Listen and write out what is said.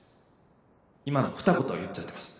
今のふた言言っちゃってます。